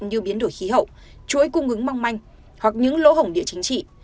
như biến đổi khí hậu chuỗi cung ứng mong manh hoặc những lỗ hổng địa chính trị